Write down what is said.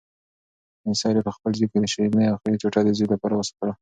سپین سرې په خپل جېب کې د شیرني اخري ټوټه د زوی لپاره وساتله.